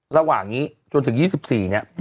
ระหว่างนี้จนถึง๒๔เนี่ย